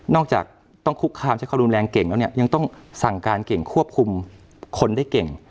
จากต้องคุกคามใช้ความรุนแรงเก่งแล้วเนี่ยยังต้องสั่งการเก่งควบคุมคนได้เก่ง